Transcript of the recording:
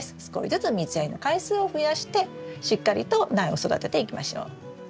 少しずつ水やりの回数を増やしてしっかりと苗を育てていきましょう。